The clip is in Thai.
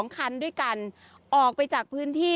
๒คันด้วยกันออกไปจากพื้นที่